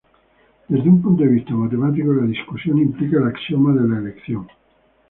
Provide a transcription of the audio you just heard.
Desde un punto de vista matemático la discusión implica el axioma de elección.